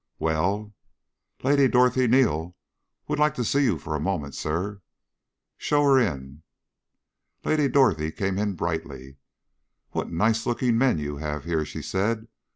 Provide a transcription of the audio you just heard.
"Well?" "Lady Dorothy Neal would like to see you for a moment, Sir." "Show her in." Lady Dorothy came in brightly. "What nice looking men you have here," she said.